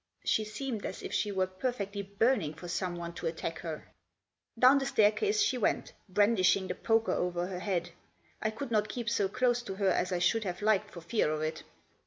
She seemed as if she were perfectly burning for someone to attack her. Down the staircase she went, brandishing the poker over her head. I could not keep so close to her as I should have liked for fear of it.